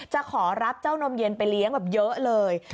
จะขอรับเจ้านมเย็นไปเลี้ยงแบบเยอะเลย